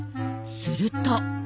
すると。